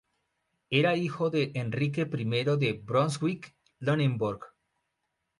Era hijo de Enrique I de Brunswick-Luneburgo.